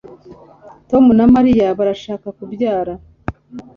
Tom na Mariya barashaka kubyara